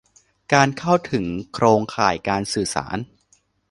การเข้าถึงโครงข่ายการสื่อสาร